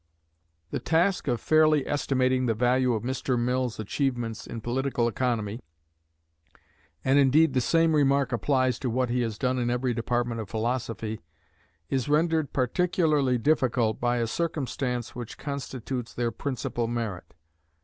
The task of fairly estimating the value of Mr. Mill's achievements in political economy and indeed the same remark applies to what he has done in every department of philosophy is rendered particularly difficult by a circumstance which constitutes their principal merit.